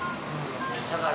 だから。